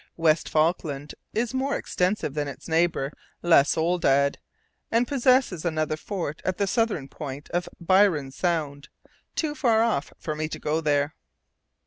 West Falkland is more extensive than its neighbour, La Soledad, and possesses another fort at the southern point of Byron's Sound too far off for me to go there.